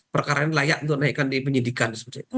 perkara ini layak untuk naikkan di penyidikan